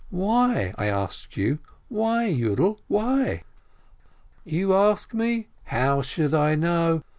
Why ? I ask you, why, Yiidel, why?" "You ask me? How should I know?